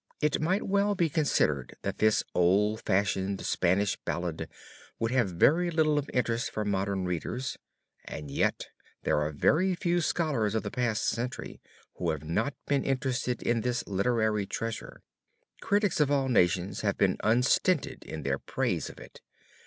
It might well be considered that this old fashioned Spanish ballad would have very little of interest for modern readers, and yet there are very few scholars of the past century who have not been interested in this literary treasure. Critics of all nations have been unstinted in their praise of it.